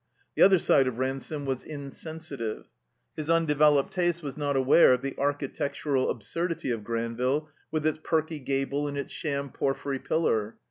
The other side of Ransome was insensitive. His undeveloped taste was not aware of the architec tural absurdity of Granville, with its perky gable and its sham porphyry pillar.